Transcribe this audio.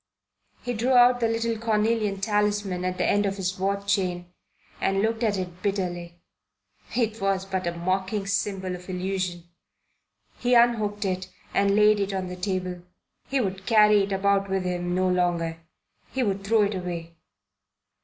He drew out the little cornelian talisman at the end of his watch chain and looked at it bitterly. It was but a mocking symbol of illusion. He unhooked it and laid it on the table. He would carry it about with him no longer. He would throw it away.